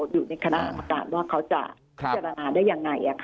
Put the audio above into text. อยู่ในคณะกรรมการว่าเขาจะพิจารณาได้ยังไง